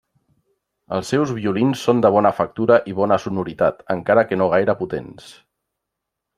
Els seus violins són de bona factura i bona sonoritat, encara que no gaire potents.